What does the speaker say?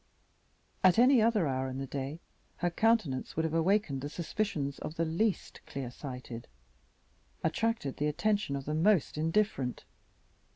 At any other hour in the day her countenance would have awakened the suspicions of the least clear sighted, attracted the attention of the most indifferent.